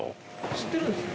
知ってるんですか？